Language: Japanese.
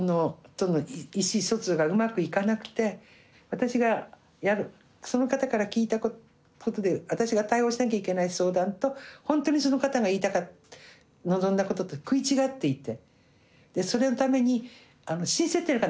私がやるその方から聞いたことで私が対応しなきゃいけない相談と本当にその方が言いたかった望んだことと食い違っていて。